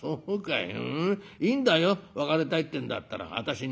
いいんだよ別れたいってえんだったら私に遠慮しないで。